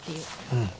うん。